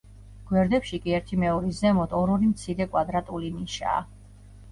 გვერდებში კი, ერთიმეორის ზემოთ, ორ-ორი მცირე, კვადრატული ნიშაა.